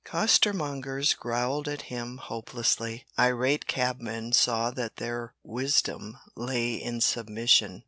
Costermongers growled at him hopelessly. Irate cabmen saw that their wisdom lay in submission.